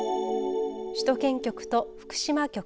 首都圏局と福島局。